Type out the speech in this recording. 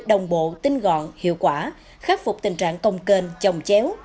đồng bộ tinh gọn hiệu quả khắc phục tình trạng công kênh chồng chéo